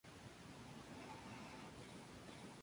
Se distribuyen hacia los lóbulos o pirámides del riñón.